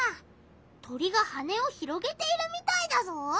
鳥が羽を広げているみたいだぞ！